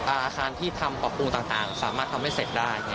อาคารที่ทำปรับปรุงต่างสามารถทำให้เสร็จได้